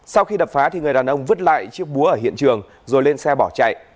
sau khi đập phá thì người đàn ông vứt lại chiếc búa ở hiện trường rồi lên xe bỏ chạy